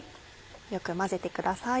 よく混ぜてください。